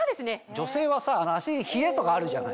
女性は冷えとかあるじゃない？